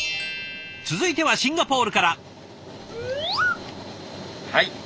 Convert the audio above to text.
続いてはシンガポールから。